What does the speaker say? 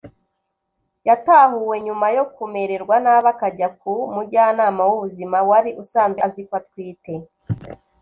yatahuwe nyuma yo kumererwa nabi akajya ku mujyanama w’ubuzima wari usanzwe azi ko atwite